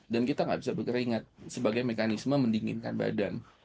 dan kita nggak bisa berkeringat sebagai mekanisme mendinginkan badan